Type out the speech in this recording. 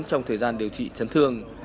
trong thời gian điều trị chấn thương